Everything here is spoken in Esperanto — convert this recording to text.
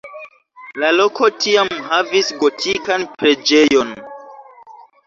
La loko tiam havis gotikan preĝejon.